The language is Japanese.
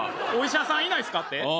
お医者さんいないすかって？